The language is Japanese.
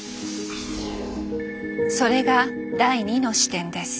それが第２の視点です。